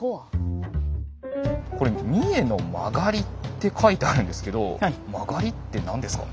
これ「三重の勾」って書いてあるんですけど「勾」って何ですかね？